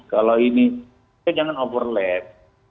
kalau ini kita jangan overlap